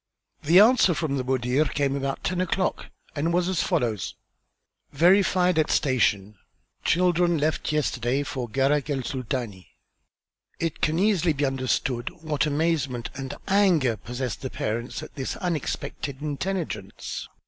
The answer from the Mudir came about ten o'clock and was as follows: "Verified at station. Children left yesterday for Gharak el Sultani." It can easily be understood what amazement and anger possessed the parents at this unexpected intelligence.